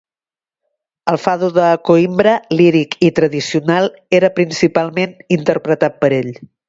El fado de Coïmbra, líric i tradicional, era principalment interpretat per ell.